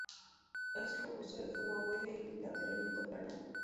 Es robusto, de forma ovoide, y lateralmente aplanado.